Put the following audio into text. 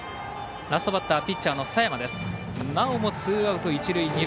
ラストバッターピッチャーの佐山です。